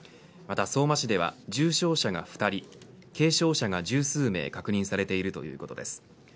また相馬市では重傷者が２人軽傷者が１０数名確認されているということです。